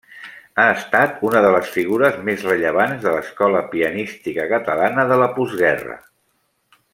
Ha estat una de les figures més rellevants de l'escola pianística catalana de la postguerra.